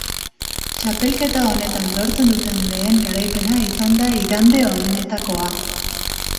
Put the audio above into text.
Txapelketa honetan lortzen duten lehen garaipena izan da igande honetakoa.